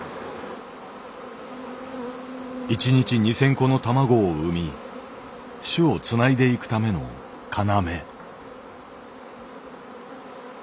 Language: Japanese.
一日２，０００個の卵を産み種をつないでいくための要。